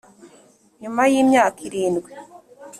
nyuma yi myaka irindwi